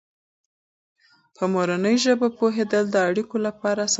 په مورنۍ ژبه پوهېدل د اړیکو لپاره اسانتیا ده.